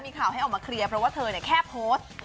มีข่าวให้ออกมาเคลียร์เพราะว่าเธอแค่โพสต์